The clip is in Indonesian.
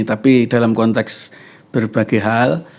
tapi dalam konteks berbagai hal